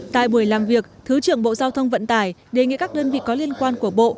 tại buổi làm việc thứ trưởng bộ giao thông vận tải đề nghị các đơn vị có liên quan của bộ